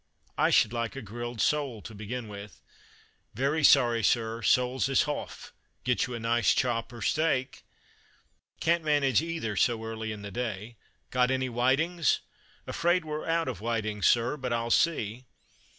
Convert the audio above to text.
"I should like a grilled sole, to begin with." "Very sorry, sir, soles is hoff get you a nice chop or steak." "Can't manage either so early in the day. Got any whitings?" "Afraid we're out of whitings, sir, but I'll see."